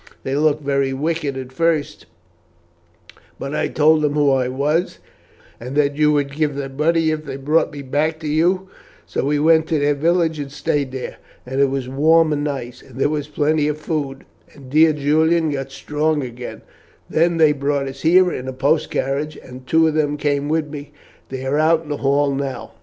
They looked very wicked at first, but I told them who I was, and that you would give them money if they brought me back to you, and so we went to their village and stayed there, and it was warm and nice, and there was plenty of food, and dear Julian got strong again, and then they brought us here in a post carriage, and two of them came with me. They are out in the hall now."